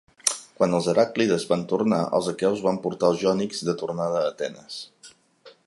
Quan els heràclides van tornar, els aqueus van portar els jònics de tornada a Atenes.